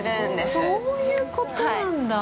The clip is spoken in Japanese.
あっ、そういうことなんだぁ！